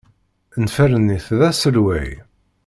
Nefren-it d aselway.